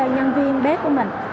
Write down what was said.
nhân viên bếp của mình